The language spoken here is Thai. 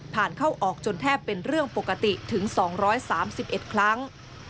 เข้าออกจนแทบเป็นเรื่องปกติถึง๒๓๑ครั้ง